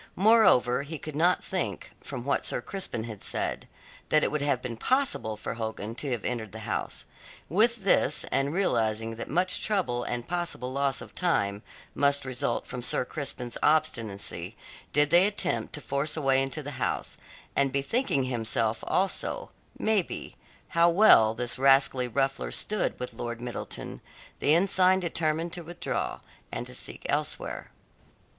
Moreover, he could not think, from what Sir Crispin had said, that it would have been possible for Hogan to have entered the house. With this, and realizing that much trouble and possible loss of time must result from Sir Crispin's obstinacy, did they attempt to force a way into the house, and bethinking himself, also, maybe, how well this rascally ruffler stood with Lord Middleton, the ensign determined to withdraw, and to seek elsewhere.